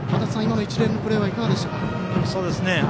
一連のプレーいかがでしたか。